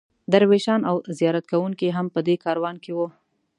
درویشان او زیارت کوونکي هم په دې کاروان کې وو.